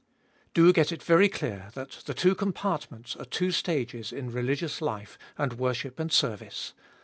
2. Do get it very clear that the two compartments are two stages in religious life and worship and seruice.